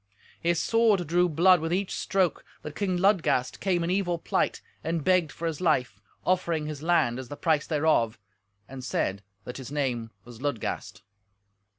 His sword drew blood with each stroke, that King Ludgast came in evil plight, and begged for his life, offering his land as the price thereof, and said that his name was Ludgast.